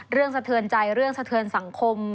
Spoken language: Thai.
เรื่องสะเทินใจเรื่องสะเทินสังคม